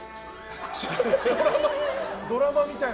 ドラマみたいな。